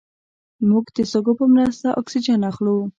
موږ د سږو په مرسته اکسیجن اخلو